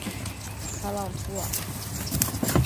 卡朗图瓦。